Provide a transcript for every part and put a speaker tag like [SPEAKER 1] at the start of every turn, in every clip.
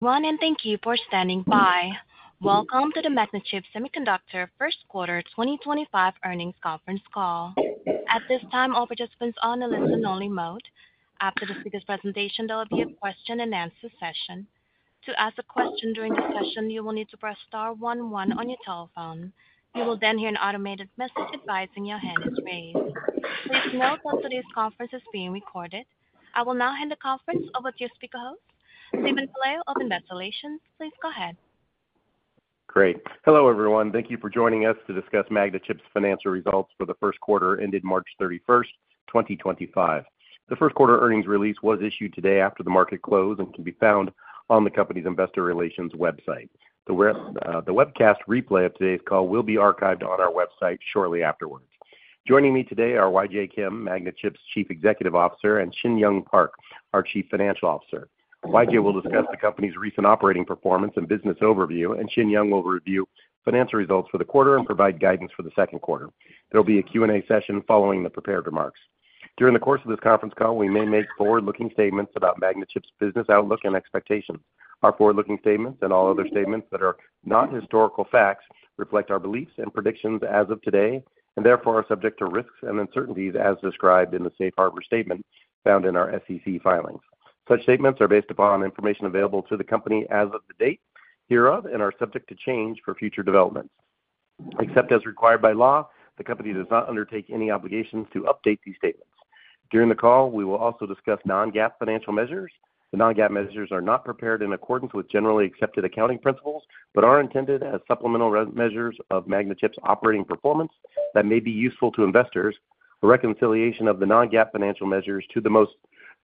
[SPEAKER 1] Thank you for standing by. Welcome to the Magnachip Semiconductor First Quarter 2025 Earnings Conference Call. At this time, all participants are on a listen-only mode. After the speaker's presentation, there will be a question-and-answer session. To ask a question during the session, you will need to press star one one on your telephone. You will then hear an automated message advising your hand is raised. Please note that today's conference is being recorded. I will now hand the conference over to your speaker host, Steven Pelayo of Investor Relations. Please go ahead.
[SPEAKER 2] Great. Hello, everyone. Thank you for joining us to discuss Magnachip's financial results for the first quarter ended March 31st, 2025. The first quarter earnings release was issued today after the market close and can be found on the company's Investor Relations website. The webcast replay of today's call will be archived on our website shortly afterwards. Joining me today are YJ Kim, Magnachip's Chief Executive Officer and Shin Young Park, our Chief Financial Officer. YJ will discuss the company's recent operating performance and business overview, and Shin Young will review financial results for the quarter and provide guidance for the second quarter. There will be a Q&A session following the prepared remarks. During the course of this conference call, we may make forward-looking statements about Magnachip's business outlook and expectations. Our forward-looking statements and all other statements that are not historical facts reflect our beliefs and predictions as of today and therefore are subject to risks and uncertainties as described in the Safe Harbor statement found in our SEC filings. Such statements are based upon information available to the company as of the date hereof and are subject to change for future developments. Except as required by law, the company does not undertake any obligations to update these statements. During the call, we will also discuss non-GAAP financial measures. The non-GAAP measures are not prepared in accordance with generally accepted accounting principles but are intended as supplemental measures of Magnachip's operating performance that may be useful to investors. A reconciliation of the non-GAAP financial measures to the most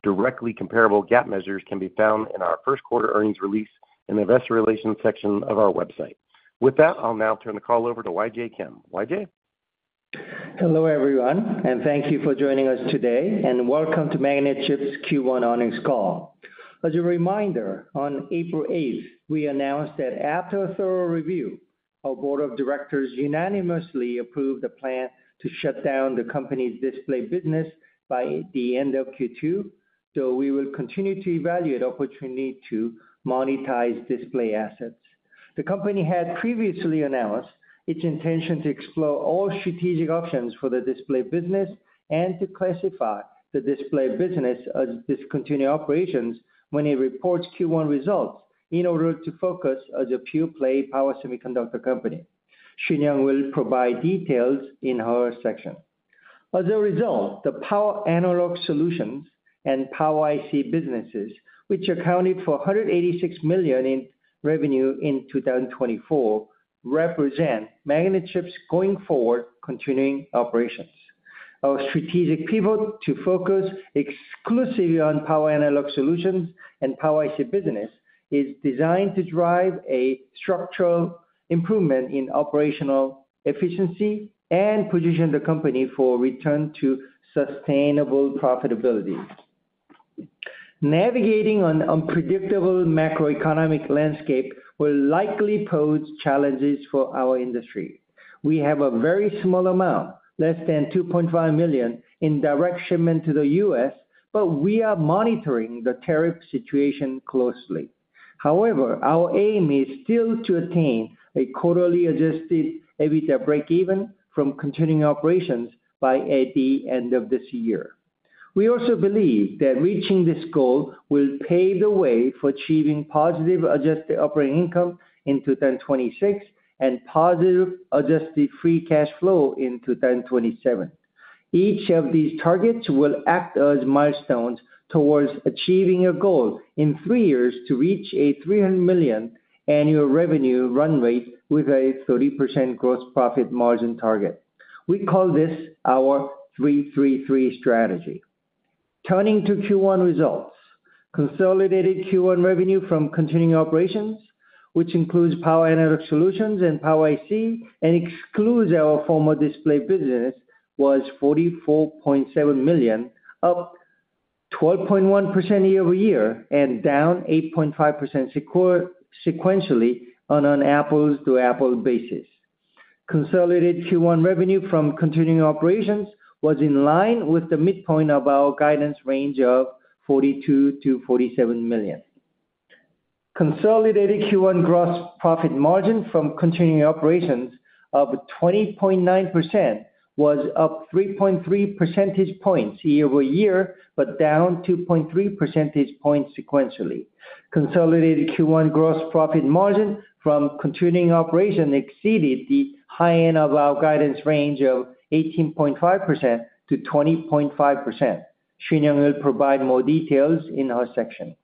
[SPEAKER 2] directly comparable GAAP measures can be found in our first quarter earnings release in the Investor Relations section of our website. With that, I'll now turn the call over to YJ Kim. YJ?
[SPEAKER 3] Hello, everyone, and thank you for joining us today, and welcome to Magnachip's Q1 earnings call. As a reminder, on April 8th, we announced that after a thorough review, our Board of Directors unanimously approved the plan to shut down the company's display business by the end of Q2, though we will continue to evaluate opportunity to monetize display assets. The company had previously announced its intention to explore all strategic options for the display business and to classify the display business as discontinued operations when it reports Q1 results in order to focus as a pure-play power semiconductor company. Shin Young will provide details in her section. As a result, the Power Analog Solutions and Power IC businesses, which accounted for $186 million in revenue in 2024, represent Magnachip's going-forward continuing operations. Our strategic pivot to focus exclusively on Power Analog Solutions and Power IC business is designed to drive a structural improvement in operational efficiency and position the company for return to sustainable profitability. Navigating an unpredictable macroeconomic landscape will likely pose challenges for our industry. We have a very small amount, less than $2.5 million, in direct shipment to the U.S., but we are monitoring the tariff situation closely. However, our aim is still to attain a quarterly adjusted EBITDA break-even from continuing operations by the end of this year. We also believe that reaching this goal will pave the way for achieving positive adjusted operating income in 2026 and positive adjusted free cash flow in 2027. Each of these targets will act as milestones towards achieving a goal in three years to reach a $300 million annual revenue run rate with a 30% gross profit margin target. We call this our 3-3-3 strategy. Turning to Q1 results, consolidated Q1 revenue from continuing operations, which includes Power Analog Solutions and Power IC and excludes our former display business, was $44.7 million, up 12.1% year-over-year and down 8.5% sequentially on an apples-to-apples basis. Consolidated Q1 revenue from continuing operations was in line with the mid-point of our guidance range of $42-$47 million. Consolidated Q1 gross profit margin from continuing operations of 20.9% was up 3.3 percentage points year-over-year but down 2.3 percentage points sequentially. Consolidated Q1 gross profit margin from continuing operations exceeded the high-end of our guidance range of 18.5%-20.5%. Shin Young will provide more details in her section.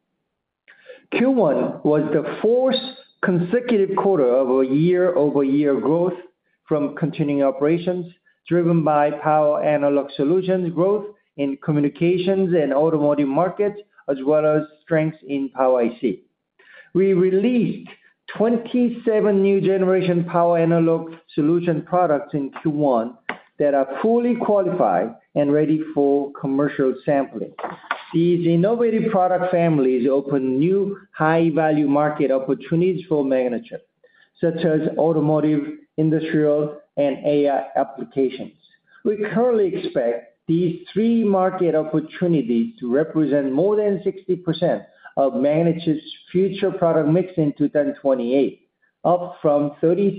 [SPEAKER 3] Q1 was the fourth consecutive quarter of a year-over-year growth from continuing operations driven by Power Analog Solutions growth in communications and automotive markets, as well as strengths in Power IC. We released 27 new generation Power Analog Solutions products in Q1 that are fully qualified and ready for commercial sampling. These innovative product families open new high-value market opportunities for Magnachip, such as automotive, industrial, and AI applications. We currently expect these three market opportunities to represent more than 60% of Magnachip's future product mix in 2028, up from 37%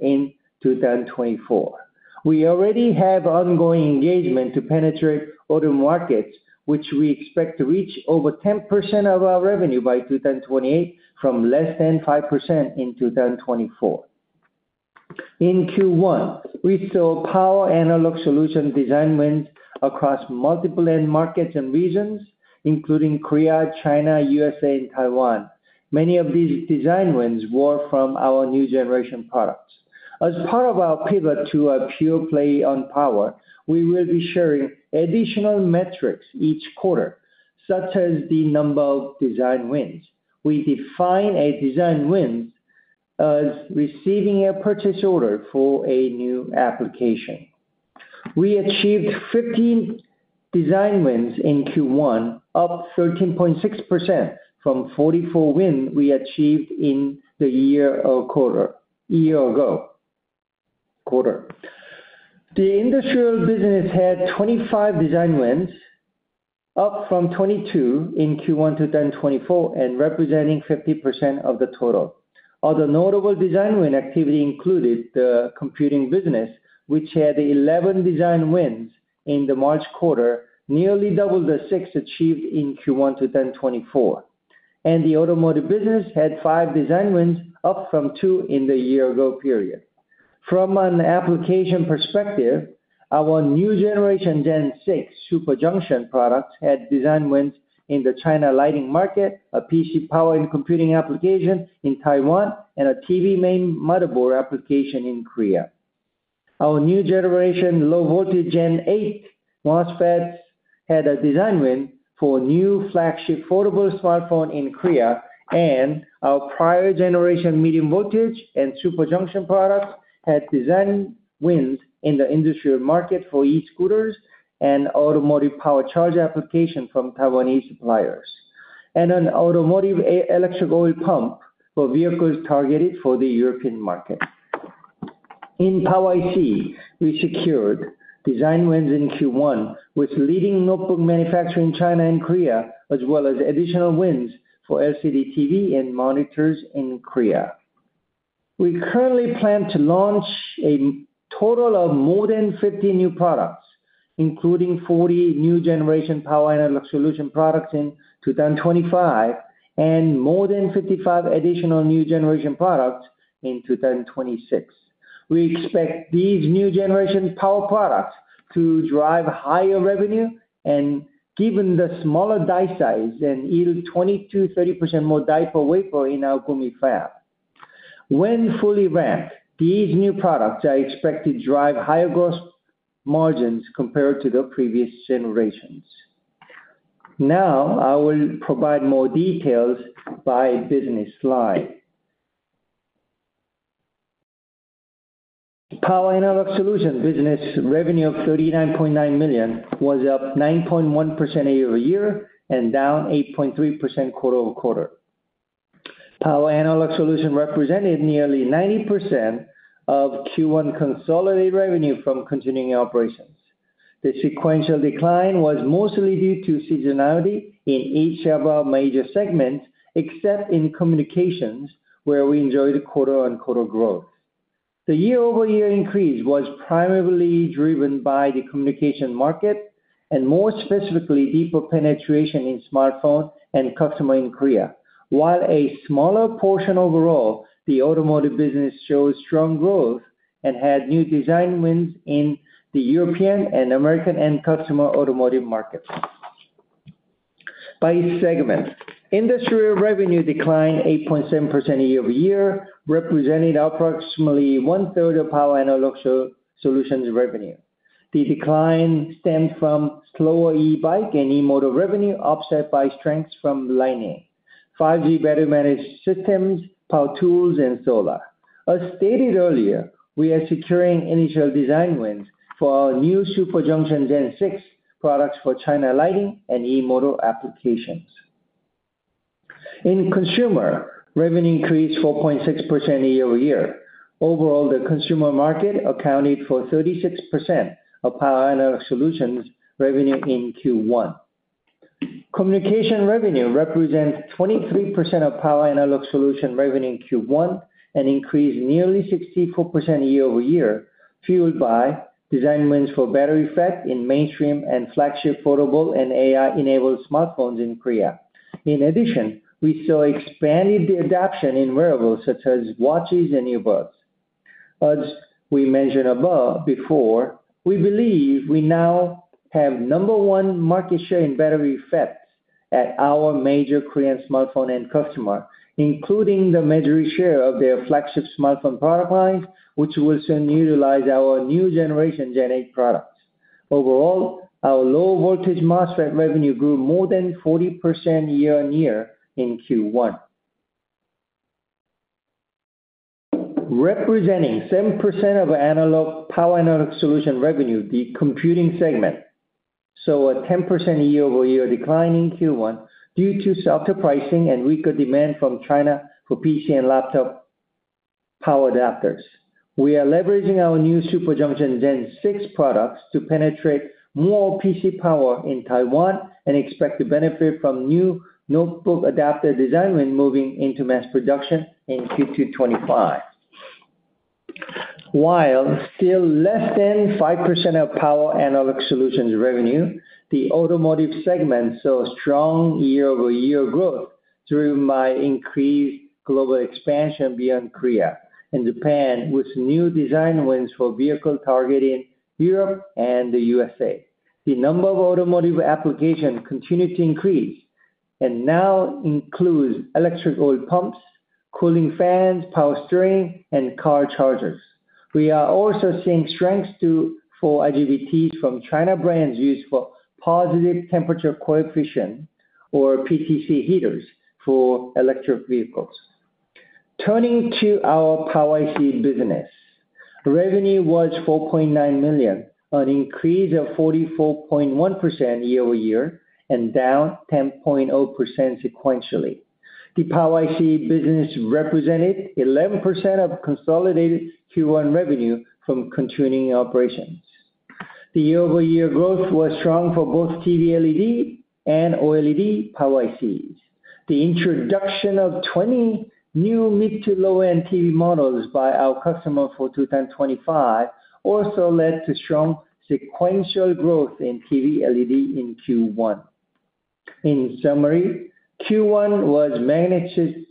[SPEAKER 3] in 2024. We already have ongoing engagement to penetrate other markets, which we expect to reach over 10% of our revenue by 2028 from less than 5% in 2024. In Q1, we saw Power Analog Solutions design wins across multiple end markets and regions, including Korea, China, U.SA., and Taiwan. Many of these design wins were from our new generation products. As part of our pivot to a pure play on power, we will be sharing additional metrics each quarter, such as the number of design wins. We define a design win as receiving a purchase order for a new application. We achieved 50 design wins in Q1, up 13.6% from 44 wins we achieved in the year-ago quarter. The industrial business had 25 design wins, up from 22 in Q1 2024 and representing 50% of the total. Other notable design win activity included the computing business, which had 11 design wins in the March quarter, nearly double the six achieved in Q1 2024. The automotive business had five design wins, up from two in the year-ago period. From an application perspective, our new generation Gen 6 Super Junction products had design wins in the China lighting market, a PC power and computing application in Taiwan, and a TV main motherboard application in Korea. Our new generation low voltage Gen 8 MOSFETs had a design win for new flagship portable smartphone in Korea, and our prior generation medium voltage and Super Junction products had design wins in the industrial market for e-scooters and automotive power charge application from Taiwanese suppliers, and an automotive electric oil pump for vehicles targeted for the European market. In Power IC, we secured design wins in Q1 with leading notebook manufacturer in China and Korea, as well as additional wins for LCD TV and monitors in Korea. We currently plan to launch a total of more than 50 new products, including 40 new generation Power Analog Solutions products in 2025 and more than 55 additional new generation products in 2026. We expect these new generation power products to drive higher revenue and, given the smaller die size, yield 20-30% more die per wafer in our Gumi fab. When fully ramped, these new products are expected to drive higher gross margins compared to the previous generations. Now, I will provide more details by business slide. Power analog solution business revenue of $39.9 million was up 9.1% year-over-year and down 8.3% quarter-over-quarter. Power Analog Solutions represented nearly 90% of Q1 consolidated revenue from continuing operations. The sequential decline was mostly due to seasonality in each of our major segments, except in communications, where we enjoyed quarter-on-quarter growth. The year-over-year increase was primarily driven by the communication market and, more specifically, deeper penetration in smartphone and customer in Korea. While a smaller portion overall, the automotive business showed strong growth and had new design wins in the European and American-end customer automotive markets. By segment, industrial revenue declined 8.7% year-over-year, representing approximately one-third of Power Analog Solutions revenue. The decline stemmed from slower e-bike and e-motor revenue, offset by strengths from lighting, 5G battery-managed systems, power tools, and solar. As stated earlier, we are securing initial design wins for our new Super Junction Gen 6 products for China lighting and e-motor applications. In consumer, revenue increased 4.6% year-over-year. Overall, the consumer market accounted for 36% of Power Analog Solutions revenue in Q1. Communication revenue represents 23% of Power Analog Solutions revenue in Q1 and increased nearly 64% year-over-year, fueled by design wins for BatteryFETs in mainstream and flagship portable and AI-enabled smartphones in Korea. In addition, we saw expanded adoption in wearables such as watches and earbuds. As we mentioned before, we believe we now have number one market share in BatteryFETs at our major Korean smartphone end-customer, including the majority share of their flagship smartphone product lines, which will soon utilize our new generation Gen 8 products. Overall, our low voltage MOSFET revenue grew more than 40% year-on-year in Q1. Representing 7% of Power Analog Solutions revenue. The computing segment saw a 10% year-over-year decline in Q1 due to softer pricing and weaker demand from China for PC and laptop power adapters. We are leveraging our new Super Junction Gen 6 products to penetrate more PC power in Taiwan and expect to benefit from new notebook adapter design wins moving into mass production in Q2 2025. While still less than 5% of Power Analog Solutions revenue, the automotive segment saw strong year-over-year growth through my increased global expansion beyond Korea and Japan, with new design wins for vehicles targeting Europe and the U.S.A. The number of automotive applications continued to increase and now includes electric oil pumps, cooling fans, power steering, and car chargers. We are also seeing strengths for IGBTs from China brands used for Positive Temperature Coefficient, or PTC heaters, for electric vehicles. Turning to our Power IC business, revenue was $4.9 million, an increase of 44.1% year-over-year and down 10.0% sequentially. The Power IC business represented 11% of consolidated Q1 revenue from continuing operations. The year-over-year growth was strong for both TV- LED and OLED power ICs. The introduction of 20 new mid-to-low-end TV models by our customer for 2025 also led to strong sequential growth in TV-LED in Q1. In summary, Q1 was Magnachip's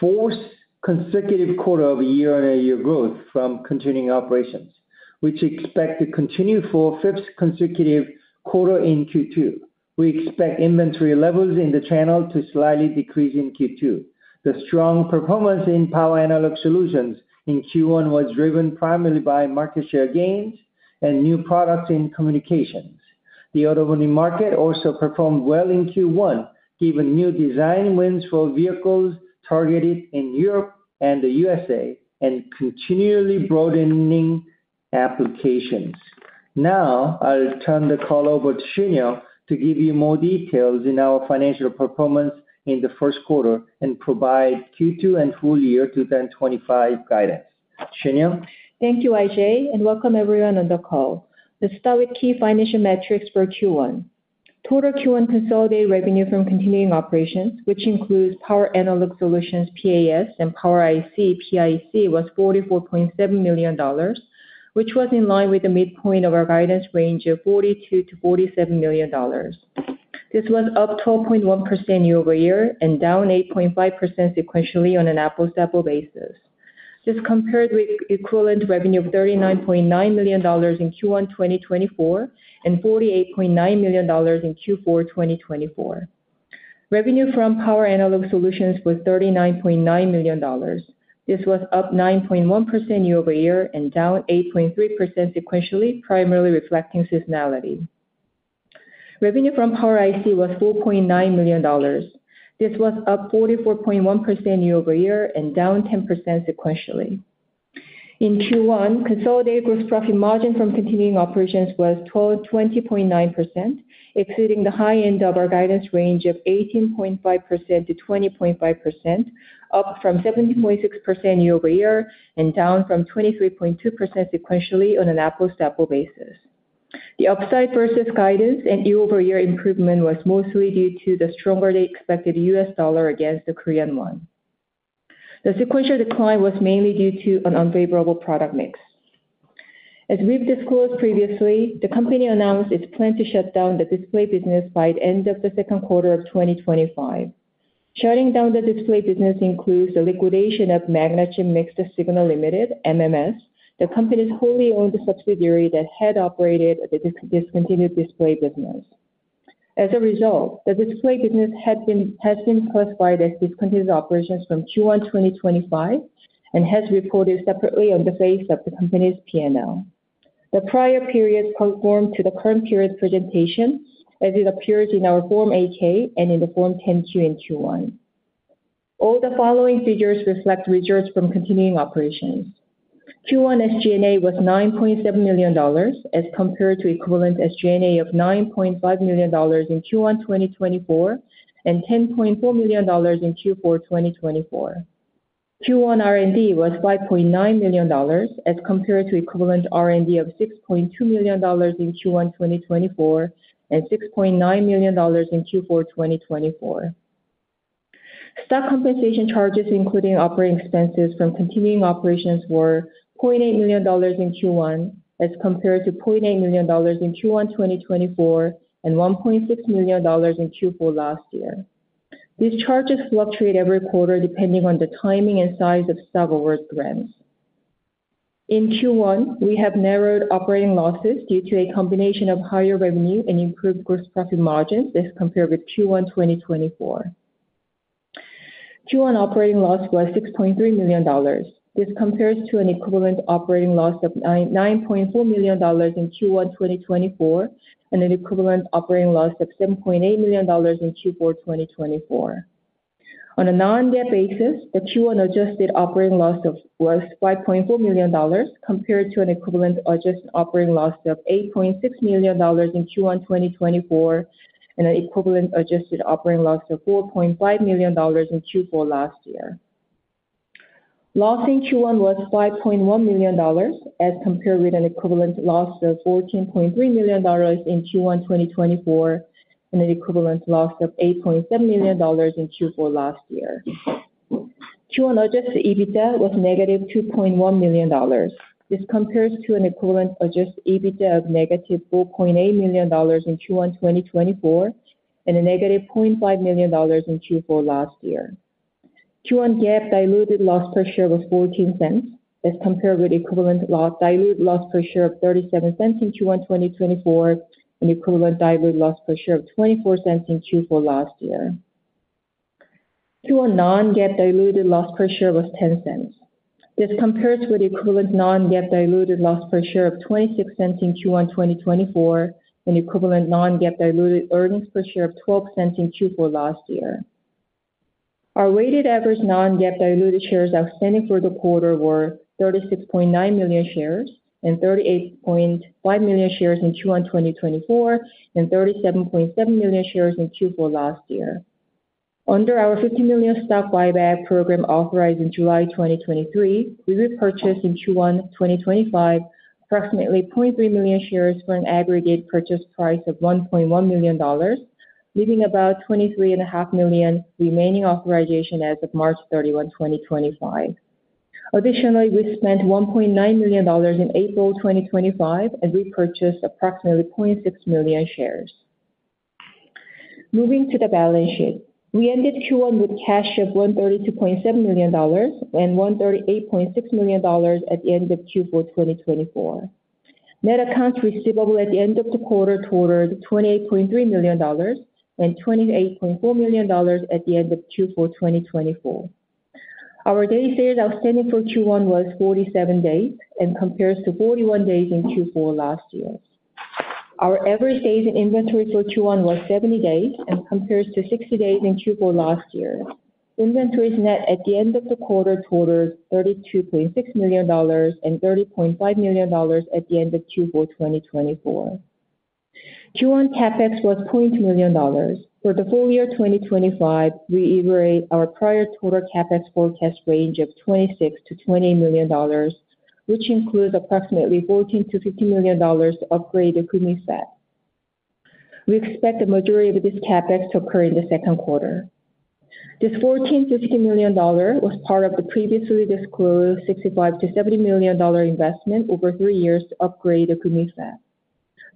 [SPEAKER 3] fourth consecutive quarter-over-year and a year-over-year growth from continuing operations, which we expect to continue for a fifth consecutive quarter in Q2. We expect inventory levels in the channel to slightly decrease in Q2. The strong performance in Power Analog Solutions in Q1 was driven primarily by market share gains and new products in communications. The automotive market also performed well in Q1, given new design wins for vehicles targeted in Europe and the U.S.A. and continually broadening applications. Now, I'll turn the call over to Shin Young to give you more details in our financial performance in the first quarter and provide Q2 and full-year 2025 guidance. Shin Young?
[SPEAKER 4] Thank you, YJ and welcome everyone on the call. Let's start with key financial metrics for Q1. Total Q1 consolidated revenue from continuing operations, which includes Power Analog Solutions (PAS) and Power IC (PIC), was $44.7 million, which was in line with the mid-point of our guidance range of $42-$47 million. This was up 12.1% year-over-year and down 8.5% sequentially on an apples-to-apple basis. This compared with equivalent revenue of $39.9 million in Q1 2024 and $48.9 million in Q4 2024. Revenue from Power Analog Solutions was $39.9 million. This was up 9.1% year-over-year and down 8.3% sequentially, primarily reflecting seasonality. Revenue from power IC was $4.9 million. This was up 44.1% year-over-year and down 10% sequentially. In Q1, consolidated gross profit margin from continuing operations was 20.9%, exceeding the high-end of our guidance range of 18.5%-20.5%, up from 17.6% year-over-year and down from 23.2% sequentially on an apples-to-apple basis. The upside versus guidance and year-over-year improvement was mostly due to the stronger expected U.S. dollar against the Korean won. The sequential decline was mainly due to an unfavorable product mix. As we've disclosed previously, the company announced its plan to shut down the display business by the end of the second quarter of 2025. Shutting down the display business includes the liquidation of Magnachip Mixed-Signal, Ltd. (MMS), the company's wholly owned subsidiary that had operated the discontinued display business. As a result, the display business has been classified as discontinued operations from Q1 2025 and has reported separately on the face of the company's P&L. The prior periods conform to the current period presentation as it appears in our Form 8-K and in the Form 10-Q in Q1. All the following figures reflect results from continuing operations. Q1 SG&A was $9.7 million as compared to equivalent SG&A of $9.5 million in Q1 2024 and $10.4 million in Q4 2024. Q1 R&D was $5.9 million as compared to equivalent R&D of $6.2 million in Q1 2024 and $6.9 million in Q4 2024. Stock compensation charges, including operating expenses from continuing operations, were $0.8 million in Q1 as compared to $0.8 million in Q1 2024 and $1.6 million in Q4 last year. These charges fluctuate every quarter depending on the timing and size of stock award grants. In Q1, we have narrowed operating losses due to a combination of higher revenue and improved gross profit margins as compared with Q1 2024. Q1 operating loss was $6.3 million. This compares to an equivalent operating loss of $9.4 million in Q1 2024 and an equivalent operating loss of $7.8 million in Q4 2024. On a non-GAAP basis, the Q1 adjusted operating loss was $5.4 million compared to an equivalent adjusted operating loss of $8.6 million in Q1 2023 and an equivalent adjusted operating loss of $4.5 million in Q4 last year. Loss in Q1 was $5.1 million as compared with an equivalent loss of $14.3 million in Q1 2024 and an equivalent loss of $8.7 million in Q4 last year. Q1 adjusted EBITDA was negative $2.1 million. This compares to an equivalent adjusted EBITDA of negative $4.8 million in Q1 2023 and a negative $0.5 million in Q4 last year. Q1 GAAP diluted loss per share was $0.14 as compared with equivalent diluted loss per share of $0.37 in Q1 2024 and equivalent diluted loss per share of $0.24 in Q4 last year. Q1 non-GAAP diluted loss per share was $0.10. This compares with equivalent non-GAAP diluted loss per share of $0.26 in Q1 2024 and equivalent non-GAAP diluted earnings per share of $0.12 in Q4 last year. Our weighted average non-GAAP diluted shares outstanding for the quarter were 36.9 million shares and 38.5 million shares in Q1 2024 and 37.7 million shares in Q4 last year. Under our $50 million stock buyback program authorized in July 2023, we repurchased in Q1 2025 approximately 0.3 million shares for an aggregate purchase price of $1.1 million, leaving about $23.5 million remaining authorization as of March 31, 2025. Additionally, we spent $1.9 million in April 2025 and repurchased approximately 0.6 million shares. Moving to the balance sheet, we ended Q1 with cash of $132.7 million and $138.6 million at the end of Q4 2024. Net accounts receivable at the end of the quarter totaled $28.3 million and $28.4 million at the end of Q4 2024. Our day-to-day outstanding for Q1 was 47 days and compares to 41 days in Q4 last year. Our average days in inventory for Q1 was 70 days and compares to 60 days in Q4 last year. Inventory's net at the end of the quarter totaled $32.6 million and $30.5 million at the end of Q4 2024. Q1 CapEx was $0.2 million. For the full year 2025, we evaluate our prior total CapEx forecast range of $26 million-$28 million, which includes approximately $14 million-$15 million upgraded Gumi fab. We expect the majority of this CapEx to occur in the second quarter. This $14 million-$15 million was part of the previously disclosed $65 million-$70 million investment over three years to upgrade Gumi fab.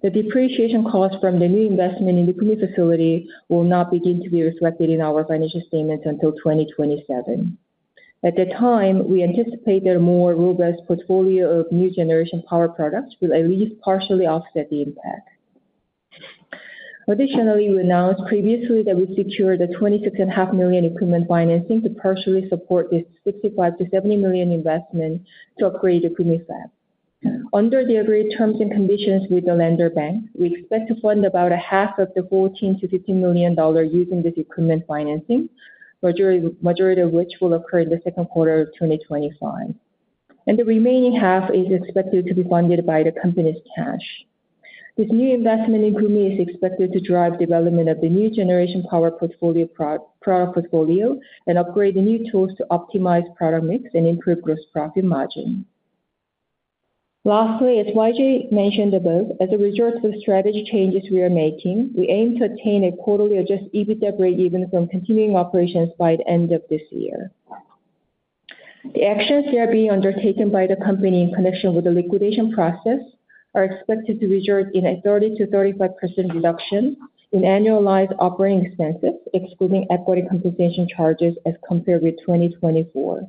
[SPEAKER 4] The depreciation cost from the new investment in the Gumi facility will not begin to be reflected in our financial statements until 2027. At the time, we anticipate that a more robust portfolio of new generation power products will at least partially offset the impact. Additionally, we announced previously that we secured the $26.5 million equipment financing to partially support this $65-$70 million investment to upgrade Gumi fab. Under the agreed terms and conditions with the lender bank, we expect to fund about half of the $14-$15 million using this equipment financing, the majority of which will occur in the second quarter of 2025. The remaining half is expected to be funded by the company's cash. This new investment in Gumi is expected to drive development of the new generation power portfolio product portfolio and upgrade the new tools to optimize product mix and improve gross profit margin. Lastly, as YJ mentioned above, as a result of the strategy changes we are making, we aim to attain a quarterly adjusted EBITDA break-even from continuing operations by the end of this year. The actions that are being undertaken by the company in connection with the liquidation process are expected to result in a 30-35% reduction in annualized operating expenses, excluding equity compensation charges as compared with 2024.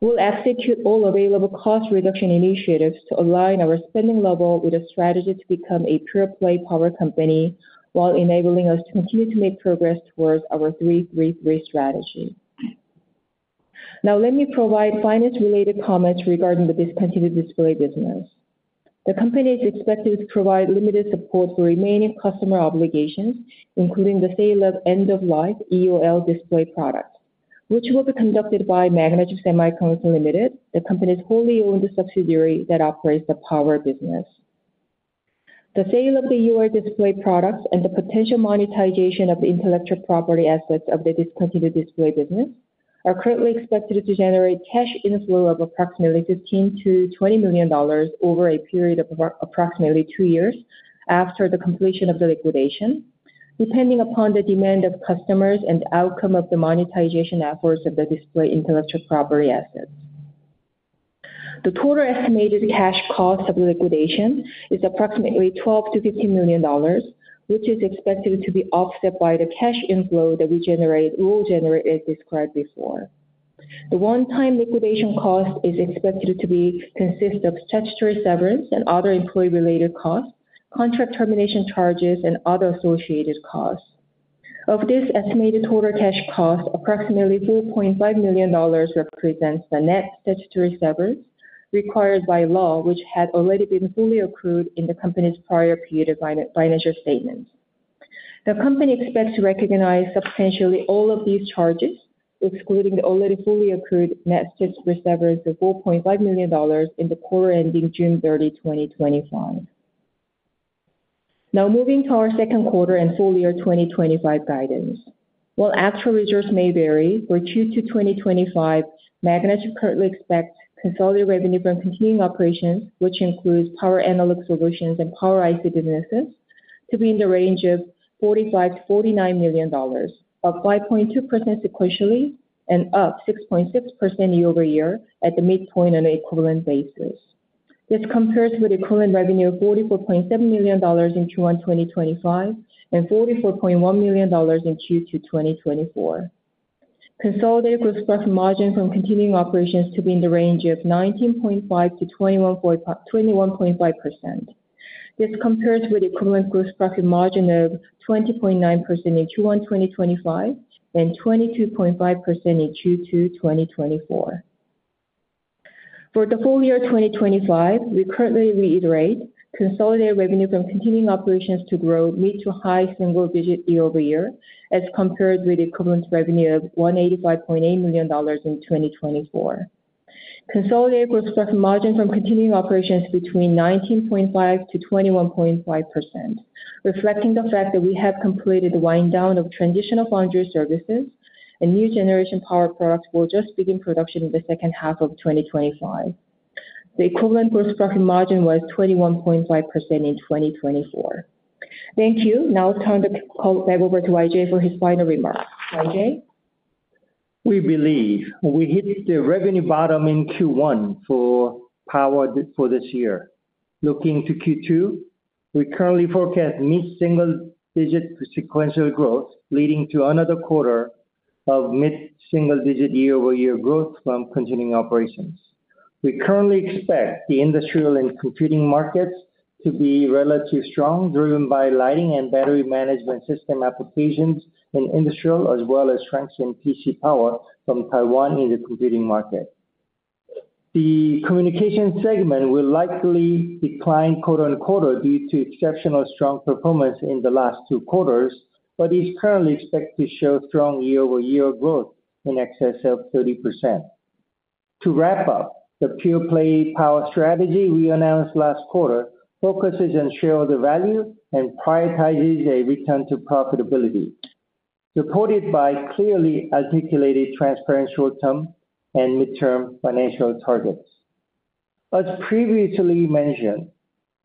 [SPEAKER 4] We'll execute all available cost reduction initiatives to align our spending level with a strategy to become a pure-play power company while enabling us to continue to make progress towards our 3-3-3 strategy. Now, let me provide finance-related comments regarding the discontinued display business. The company is expected to provide limited support for remaining customer obligations, including the sale of end-of-life EOL display products, which will be conducted by Magnachip Semi Co., Ltd., the company's wholly owned subsidiary that operates the Power business. The sale of the EOL display products and the potential monetization of the intellectual property assets of the discontinued display business are currently expected to generate cash inflow of approximately $15-$20 million over a period of approximately two years after the completion of the liquidation, depending upon the demand of customers and the outcome of the monetization efforts of the display intellectual property assets. The total estimated cash cost of the liquidation is approximately $12-$15 million, which is expected to be offset by the cash inflow that we will generate as described before. The one-time liquidation cost is expected to consist of statutory severance and other employee-related costs, contract termination charges, and other associated costs. Of this estimated total cash cost, approximately $4.5 million represents the net statutory severance required by law, which had already been fully accrued in the company's prior period of financial statements. The company expects to recognize substantially all of these charges, excluding the already fully accrued net statutory severance of $4.5 million, in the quarter ending June 30, 2025. Now, moving to our second quarter and full year 2025 guidance. While actual results may vary, for Q2 2025, Magnachip currently expects consolidated revenue from continuing operations, which includes Power Analog Solutions and Power IC businesses, to be in the range of $45-$49 million, up 5.2% sequentially and up 6.6% year-over-year at the midpoint on an equivalent basis. This compares with equivalent revenue of $44.7 million in Q1 2025 and $44.1 million in Q2 2024. Consolidated gross profit margin from continuing operations to be in the range of 19.5%-21.5%. This compares with equivalent gross profit margin of 20.9% in Q1 2025 and 22.5% in Q2 2024. For the full year 2025, we currently reiterate consolidated revenue from continuing operations to grow mid-to-high single digit year-over-year as compared with equivalent revenue of $185.8 million in 2024. Consolidated gross profit margin from continuing operations between 19.5%-21.5%, reflecting the fact that we have completed the wind down of Transitional Foundry services and new generation power products will just begin production in the second half of 2025. The equivalent gross profit margin was 21.5% in 2024. Thank you. Now it's time to call back over to YJ for his final remarks. YJ?
[SPEAKER 3] We believe we hit the revenue bottom in Q1 for Power for this year. Looking to Q2, we currently forecast mid-single digit sequential growth, leading to another quarter of mid-single digit year-over-year growth from continuing operations. We currently expect the industrial and computing markets to be relatively strong, driven by lighting and battery management system applications in industrial, as well as strength in PC power from Taiwan in the computing market. The communication segment will likely decline quarter-on-quarter due to exceptionally strong performance in the last two quarters, but is currently expected to show strong year-over-year growth in excess of 30%. To wrap up, the pure-play power strategy we announced last quarter focuses on shareholder value and prioritizes a return to profitability, supported by clearly articulated transparent short-term and mid-term financial targets. As previously mentioned,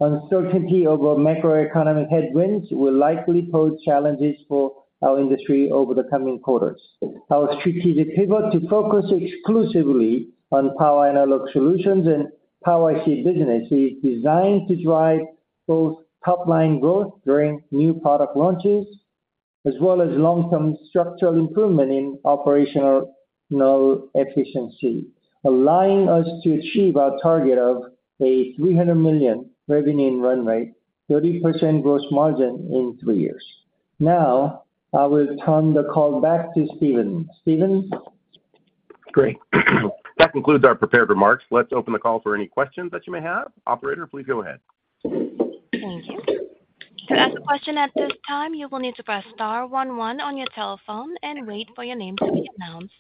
[SPEAKER 3] uncertainty over macroeconomic headwinds will likely pose challenges for our industry over the coming quarters. Our strategic pivot to focus exclusively on Power Analog Solutions and Power IC business is designed to drive both top-line growth during new product launches as well as long-term structural improvement in operational efficiency, allowing us to achieve our target of a $300 million revenue run rate, 30% gross margin in three years. Now, I will turn the call back to Steven. Steven?
[SPEAKER 2] Great. That concludes our prepared remarks. Let's open the call for any questions that you may have. Operator, please go ahead.
[SPEAKER 1] Thank you. To ask a question at this time, you will need to press star one one on your telephone and wait for your name to be announced.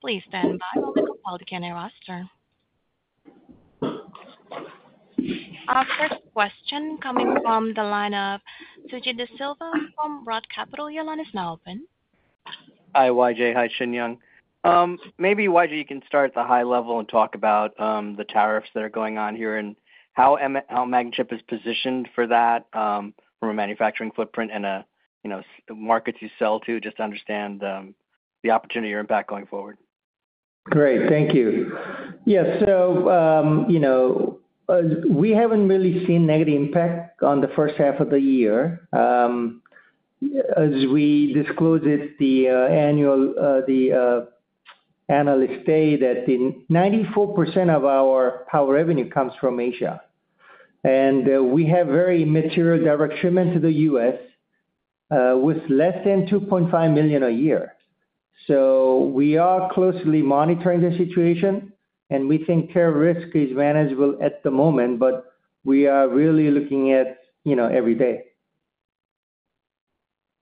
[SPEAKER 1] Please stand by while we call queue and roster. Our first question coming from the line of Suji Desilva from Roth Capital. Your line is now open.
[SPEAKER 5] Hi, YJ. Hi, Shin Young. Maybe YJ, you can start at the high level and talk about the tariffs that are going on here and how Magnachip is positioned for that from a manufacturing footprint and the markets you sell to, just to understand the opportunity or impact going forward.
[SPEAKER 3] Great. Thank you. Yeah. So we have not really seen negative impact on the first half of the year. As we disclosed at the annual analyst day that 94% of our power revenue comes from Asia. And we have very material direct shipment to the U.S. with less than $2.5 million a year. We are closely monitoring the situation, and we think tariff risk is manageable at the moment, but we are really looking at every day.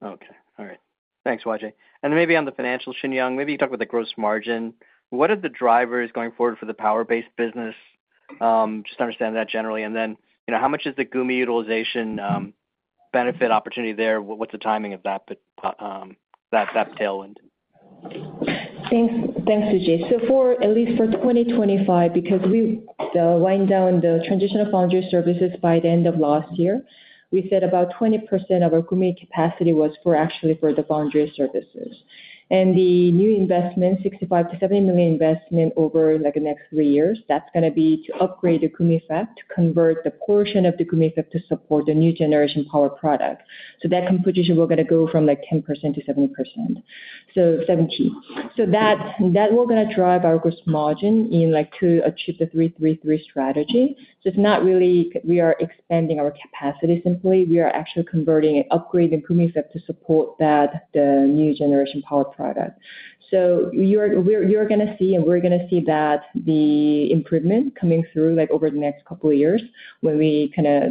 [SPEAKER 5] Okay. All right. Thanks, YJ. And maybe on the financial, Shin Young, maybe you talk about the gross margin. What are the drivers going forward for the power-based business? Just understand that generally. How much is the Gumi utilization benefit opportunity there? What is the timing of that tailwind?
[SPEAKER 4] Thanks, Suji. At least for 2025, because we wind down the transitional foundry services by the end of last year, we said about 20% of our Gumi capacity was actually for the foundry services. The new investment, $65 million-$70 million investment over the next three years, is going to be to upgrade the Gumi fab, to convert the portion of the Gumi fab to support the new generation power product. That composition, we are going to go from like 10% to 70%. That will drive our gross margin to achieve the 3-3-3 strategy. It is not really that we are expanding our capacity simply. We are actually converting and upgrading Gumi fab to support the new generation power product. You are going to see and we are going to see that improvement coming through over the next couple of years when we kind of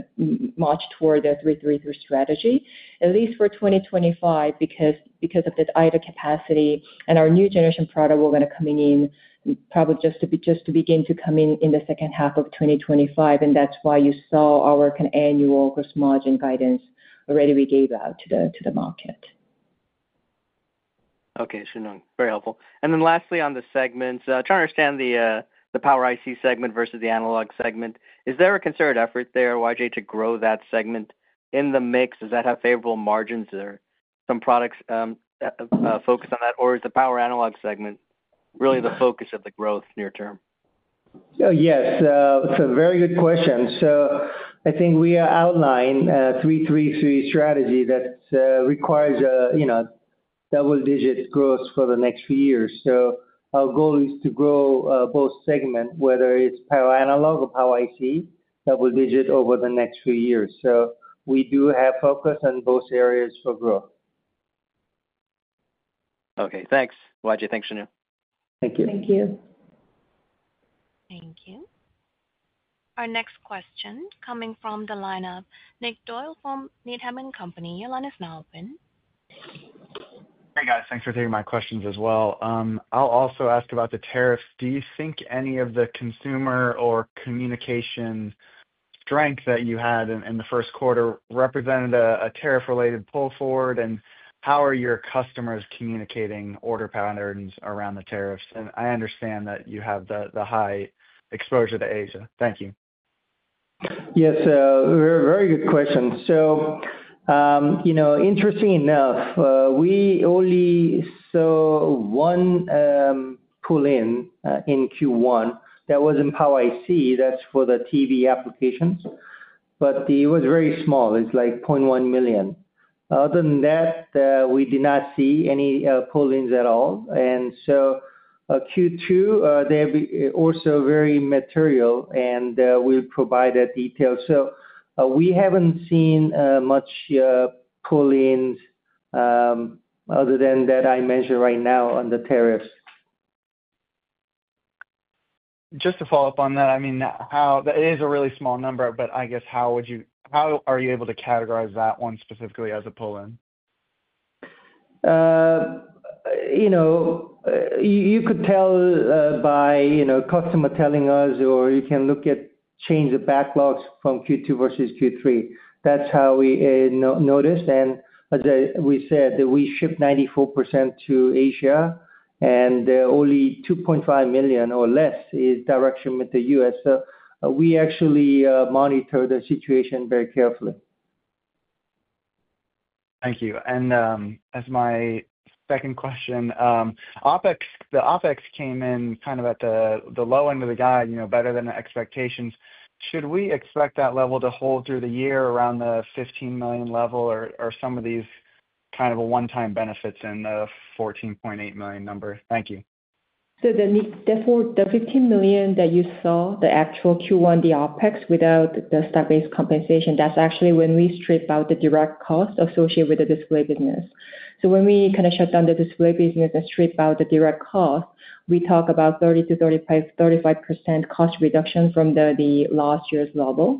[SPEAKER 4] march toward the 3-3-3 strategy, at least for 2025, because of this idle capacity. Our new generation product will be coming in, probably just beginning to come in the second half of 2025. That is why you saw our annual gross margin guidance already we gave out to the market.
[SPEAKER 5] Okay. Shin Young, very helpful. Lastly, on the segments, trying to understand the Power IC segment versus the Analog Segment. Is there a concerted effort there, YJ, to grow that segment in the mix? Does that have favorable margins or some products focused on that? Or is the Power Analog Segment really the focus of the growth near term?
[SPEAKER 3] Yes. It's a very good question. I think we outlined a 3-3-3 strategy that requires double-digit growth for the next few years. Our goal is to grow both segments, whether it's Power Analog or Power IC, double-digit over the next few years. We do have focus on both areas for growth.
[SPEAKER 5] Okay. Thanks, YJ. Thanks, Shin Young.
[SPEAKER 4] Thank you.
[SPEAKER 3] Thank you.
[SPEAKER 1] Thank you. Our next question coming from the line of Nick Doyle from Needham & Company. Your line is now open.
[SPEAKER 6] Hey, guys. Thanks for taking my questions as well. I'll also ask about the tariffs. Do you think any of the consumer or communication strength that you had in the first quarter represented a tariff-related pull forward? How are your customers communicating order patterns around the tariffs? I understand that you have the high exposure to Asia. Thank you.
[SPEAKER 3] Yes. Very good question. Interesting enough, we only saw one pull-in in Q1 that was in Power IC. That is for the TV applications. It was very small. It is like $0.1 million. Other than that, we did not see any pull-ins at all. Q2, they are also very material, and we will provide that detail. We have not seen much pull-ins other than that I mentioned right now on the tariffs.
[SPEAKER 6] Just to follow up on that, I mean, it is a really small number, but I guess how are you able to categorize that one specifically as a pull-in?
[SPEAKER 3] You could tell by customer telling us, or you can look at change of backlogs from Q2 versus Q3. That is how we noticed. As we said, we shipped 94% to Asia, and only $2.5 million or less is direct with the U.S., we actually monitor the situation very carefully.
[SPEAKER 6] Thank you. As my second question, OpEx came in kind of at the low end of the guide, better than expectations. Should we expect that level to hold through the year around the $15 million level, or are some of these kind of one-time benefits in the $14.8 million number? Thank you.
[SPEAKER 4] Therefore, the $15 million that you saw, the actual Q1, the OpEx without the stock-based compensation, that is actually when we strip out the direct cost associated with the display business. When we shut down the display business and strip out the direct cost, we talk about 30-35% cost reduction from last year's level.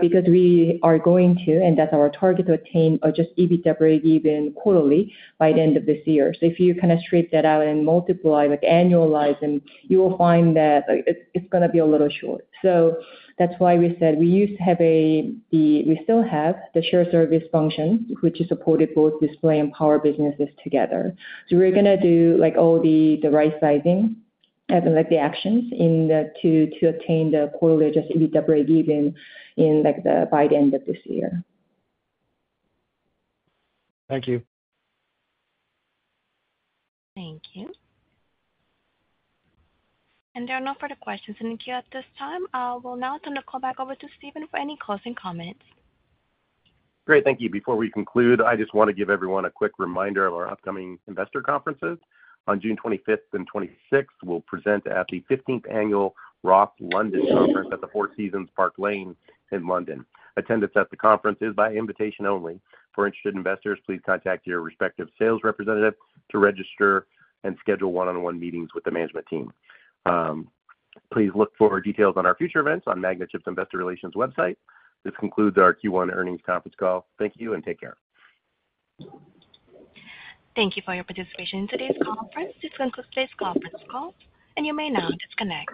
[SPEAKER 4] Because we are going to, and that's our target to attain just EBITDA given quarterly by the end of this year. If you kind of strip that out and multiply with annualizing, you will find that it's going to be a little short. That's why we said we used to have a, we still have the shared service function, which supported both display and power businesses together. We are going to do all the right-sizing and the actions to attain the quarterly just EBITDA given by the end of this year.
[SPEAKER 6] Thank you.
[SPEAKER 1] Thank you. There are no further questions in the queue at this time. I will now turn the call back over to Steven for any closing comments.
[SPEAKER 2] Great. Thank you. Before we conclude, I just want to give everyone a quick reminder of our upcoming investor conferences. On June 25th and 26th, we'll present at the 15th Annual Roth London Conference at the Four Seasons Park Lane in London. Attendance at the conference is by invitation only. For interested investors, please contact your respective sales representative to register and schedule one-on-one meetings with the management team. Please look for details on our future events on Magnachip's Investor Relations website. This concludes our Q1 earnings conference call. Thank you and take care.
[SPEAKER 1] Thank you for your participation in today's conference. This concludes today's conference call. You may now disconnect.